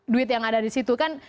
duit yang ada disitu kan